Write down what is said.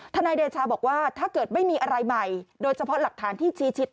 นายเดชาบอกว่าถ้าเกิดไม่มีอะไรใหม่โดยเฉพาะหลักฐานที่ชี้ชิด